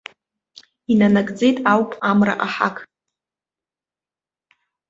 Инанагӡеит ауп амра аҳақ.